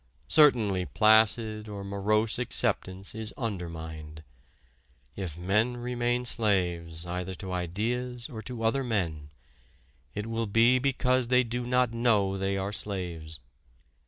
Certainly placid or morose acceptance is undermined. If men remain slaves either to ideas or to other men, it will be because they do not know they are slaves.